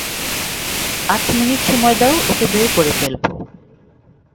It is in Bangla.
আট মিনিট সময় দাও, ওকে বের করে ফেলবো।